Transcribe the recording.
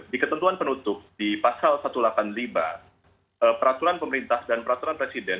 di ketentuan penutup di pasal satu ratus delapan puluh lima peraturan pemerintah dan peraturan presiden